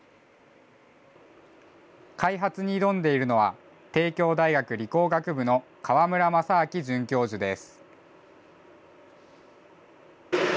開発に挑んでいるのは、帝京大学理工学部の河村政昭准教授です。